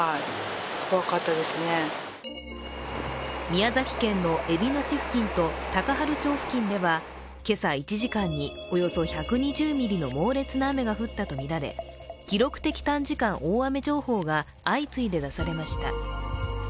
宮崎県のえびの市付近と高原町付近では今朝、１時間におよそ１２０ミリの猛烈な雨が降ったとみられ記録的短時間大雨情報が相次いで出されました。